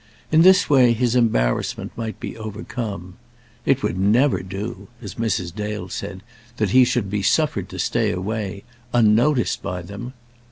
In this way his embarrassment might be overcome. It would never do, as Mrs. Dale said, that he should be suffered to stay away, unnoticed by them.